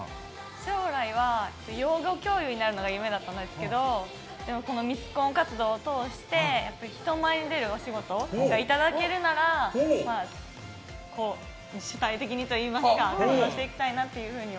将来は養護教諭になるのが夢だったんですけどこのミスコン活動を通して人前に出るお仕事がいただけるなら主体的にといいますか活動していきたいなとは。